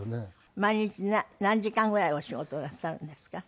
毎日何時間ぐらいお仕事をなさるんですか？